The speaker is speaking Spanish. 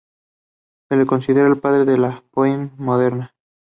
Se le considera el padre de la Pohnpei moderna.